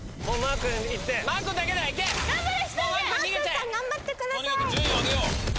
とにかく順位を上げよう。